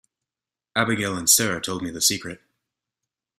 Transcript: Abigail and Sara told me the secret.